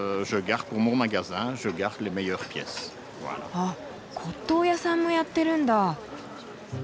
あっ骨董屋さんもやってるんだ。